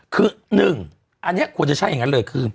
คือ๑อันนี้ควรจะใช่อย่างนั้นเลยคือ